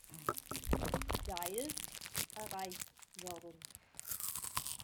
Deild" erreicht werden.